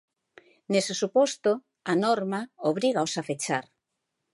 Nese suposto, a norma obrígaos a fechar.